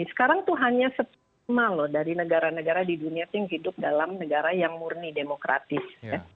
sekarang itu hanya setengah loh dari negara negara di dunia itu yang hidup dalam negara yang murni demokratis